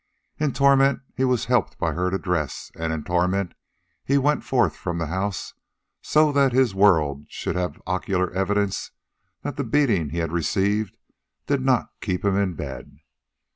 In torment he was helped by her to dress, and in torment he went forth from the house so that his world should have ocular evidence that the beating he had received did not keep him in bed.